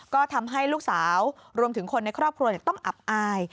ก็ทำให้ลูกสาวรวมถึงคนในครอบครัวต้องอับอาย